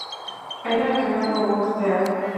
I know I can never walk there.